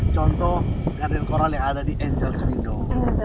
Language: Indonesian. contoh karden koral yang ada di angel's window